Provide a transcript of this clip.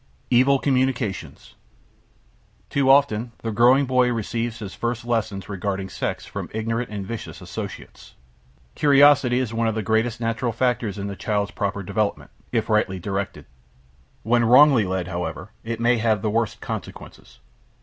EVIL COMMUNICATIONS Too often, the growing boy receives his first lessons regarding sex from ignorant and vicious associates. Curiosity is one of the greatest natural factors in the child's proper development, if rightly directed. When wrongly led, however, it may have the worst consequences.